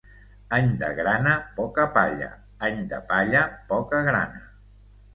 Any de grana, poca palla; any de palla, poca grana.